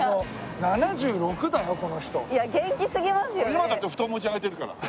今だって布団持ち上げてるから。